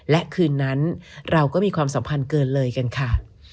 และคืนนั้นเราก็มีความสัมพันธ์เกินเลยกันค่ะ